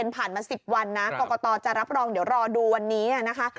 ผ่านมา๑๐วันนะกรกตจะรับรองเดี๋ยวรอดูวันนี้นะคะ